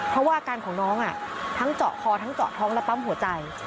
เพราะว่าอาการของน้องทั้งเจาะคอทั้งเจาะท้องและปั๊มหัวใจ